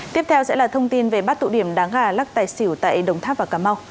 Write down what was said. tiếp theo sẽ là thông tin về bắt tụ điểm đá gà lắc tài xỉu tại đồng tháp và cà mau